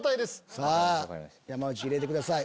さぁ山内を入れてください。